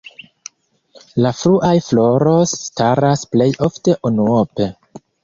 La fruaj floroj staras plej ofte unuope.